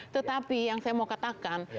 tetapi yang saya mau katakan